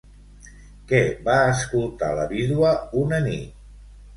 Què va escoltar la vídua una nit?